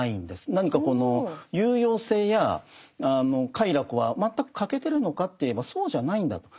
何かこの有用性や快楽は全く欠けてるのかといえばそうじゃないんだと。